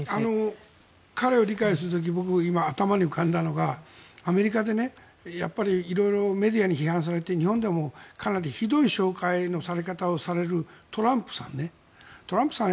彼を理解する時に僕は今、頭に浮かんだのはアメリカで色々メディアに批判されて日本でも、かなりひどい紹介のされ方をされるトランプさん。